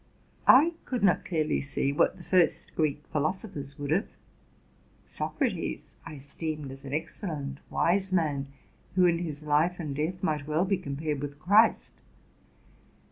| could not clearly see what the first Greek philosophers would have. Socrates I esteemed as an excellent, wise man, who in his life and death might well be compared with Christ.